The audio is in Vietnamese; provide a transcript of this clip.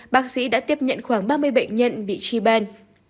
bác sĩ đã tiếp nhận khoảng ba mươi bệnh nhân bị chyban